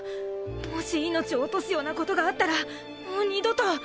もし命を落とすようなことがあったらもう二度と。